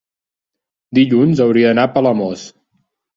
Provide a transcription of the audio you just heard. dilluns hauria d'anar a Palamós.